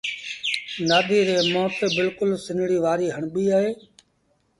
نآديٚ ري مݩهݩ تي بلڪُل سنڙيٚ وآريٚ هڻبيٚ اهي۔